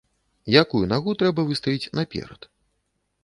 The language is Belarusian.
Якую нагу трэба выставіць наперад?